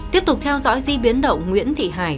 tiếp tục theo dõi di biến động nguyễn thị hải